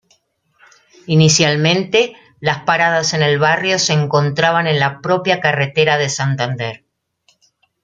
Inicialmente, las paradas en el barrio se encontraban en la propia Carretera de Santander.